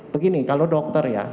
begini kalau dokter ya